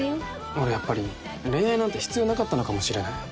俺やっぱり、恋愛なんて必要なかったのかもしれない。